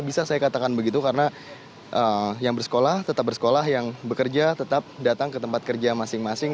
bisa saya katakan begitu karena yang bersekolah tetap bersekolah yang bekerja tetap datang ke tempat kerja masing masing